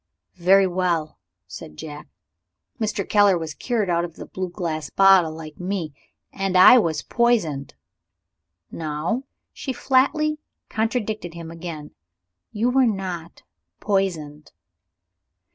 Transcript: "Very well," said Jack, "Mr. Keller was cured out of the blue glass bottle, like me. And I was poisoned. Now?" She flatly contradicted him again. "You were not poisoned!"